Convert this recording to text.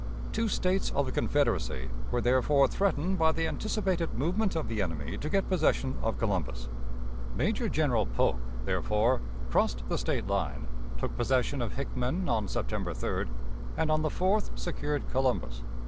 Two States of the Confederacy were therefore threatened by the anticipated movement of the enemy to get possession of Columbus. Major General Polk, therefore, crossed the State line, took possession of Hickman on September 3d, and on the 4th secured Columbus.